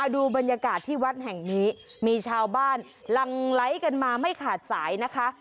ดูบรรยากาศที่วัดแห่งนี้มีชาวบ้านหลังไลค์กันมาไม่ขาดสายนะคะ